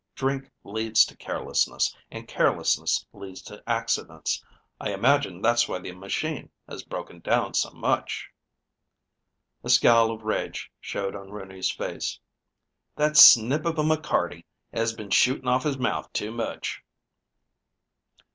Drink leads to carelessness, and carelessness leads to accidents. I imagine that's why the machine has been broken down so much." A scowl of rage showed on Rooney's face. "That snip of a McCarty has been shooting off his mouth too much."